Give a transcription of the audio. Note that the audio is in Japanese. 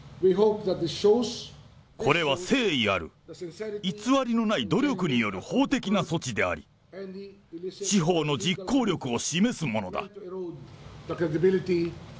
これは誠意ある、偽りのない努力による法的な措置であり、司法の実行力を示すものだ。